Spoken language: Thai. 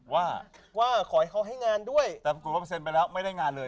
ว่าว่าขอให้เขาให้งานด้วยแต่ปรากฏว่าเซ็นไปแล้วไม่ได้งานเลย